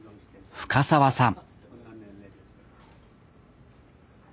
深沢さん